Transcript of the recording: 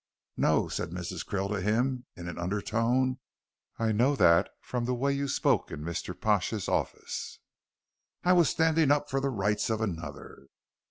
"No," said Mrs. Krill to him in an undertone, "I know that from the way you spoke in Mr. Pash's office." "I was standing up for the rights of another."